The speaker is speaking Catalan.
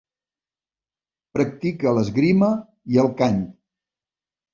Practica l'esgrima i el cant.